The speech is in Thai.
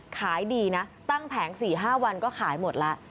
ขายดีนะตั้งแผง๔๕วันก็ขายหมดแล้ว